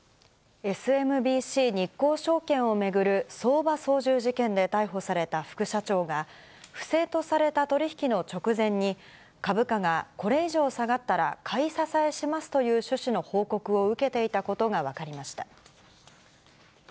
ＳＭＢＣ日興証券を巡る相場操縦事件で逮捕された副社長が、不正とされた取り引きの直前に、株価がこれ以上下がったら買い支えしますという趣旨の報告を受けていたことが分かりました。